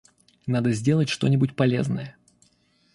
Надо сделать что-нибудь полезное!